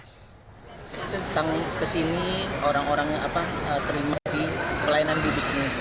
sedang ke sini orang orang terima di kelainan di bisnis